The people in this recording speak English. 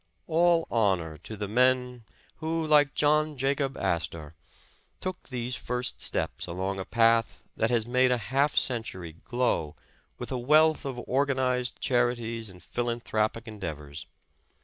All honor to the men who, like John Jacob As tor, took these first steps along a path that has made a half century glow with a wealth of organized chari ties and philanthropic endeavors